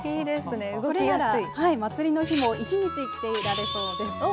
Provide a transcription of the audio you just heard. これなら、祭りの日も一日着ていられそうです。